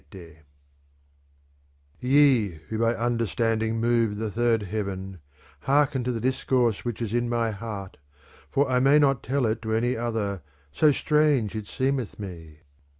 I Ye who by understanding move the third heaven hear ken to the discourse which is in my heart for I may not tell it to any other, so strange it seeraeth me.